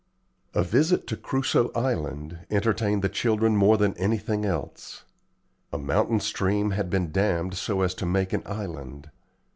A visit to "Crusoe Island" entertained the children more than anything else. A mountain stream had been dammed so as to make an island.